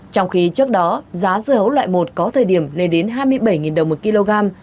trong khi trước đó giá dưa hấu loại một có thời điểm lên đến hai mươi bảy đồng một kg